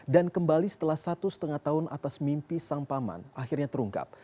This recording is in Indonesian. dan kembali setelah satu lima tahun atas mimpi sang paman akhirnya terungkap